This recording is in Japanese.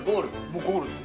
もうゴールです。